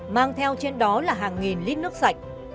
mang theo trên đó là hàng nghìn lít nước sạch